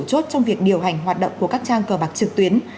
chốt trong việc điều hành hoạt động của các trang cờ bạc trực tuyến